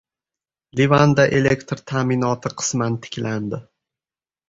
Livanda elektr ta’minoti qisman tiklandi